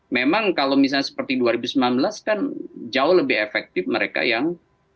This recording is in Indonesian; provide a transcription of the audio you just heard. memang kalau misalnya seperti dua ribu sembilan belas kan jauh lebih efektif mereka yang